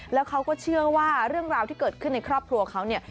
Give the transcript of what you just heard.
แล้วเขาก็เชื่อว่าเรื่องราวที่เกิดขึ้นในครอบครัวเขาเนี่ย